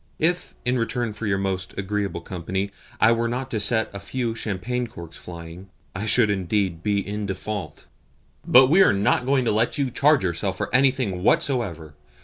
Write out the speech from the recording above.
If, in return for your most agreeable company, I were not to set a few champagne corks flying, I should be indeed in default." "But we are not going to let you charge yourself with anything whatsoever.